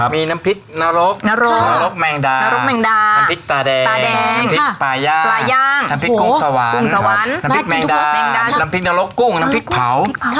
มีน้ำพริกนรกนรกแม่งดาน้ำพริกตาแดงน้ำพริกปลาย่างน้ำพริกกุ้งสวรรค์น้ำพริกแม่งดาน้ำพริกนรกกุ้งน้ำพริกเผา